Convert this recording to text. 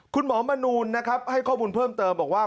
คุณหมอมนูลนะครับให้ข้อมูลเพิ่มเติมบอกว่า